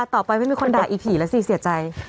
ต่อไปไม่มีคนด่าอีผีแล้วสิเสียใจ